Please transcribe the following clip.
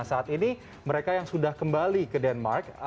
saat ini mereka yang sudah kembali ke denmark